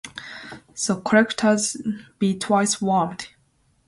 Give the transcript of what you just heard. So collectors be twice warned.